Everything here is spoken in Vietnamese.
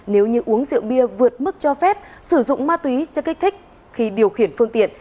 nếu như uống rượu bia vượt mức cho phép sử dụng ma túy chất kích thích khi điều khiển phương tiện